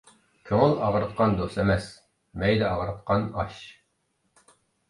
كۆڭۈل ئاغرىتقان دوست ئەمەس، مەيدە ئاغرىتقان ئاش.